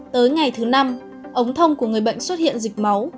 tới ngày thứ năm ống thông của người bệnh xuất hiện dịch máu